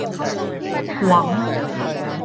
หวง